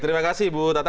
terima kasih ibu tata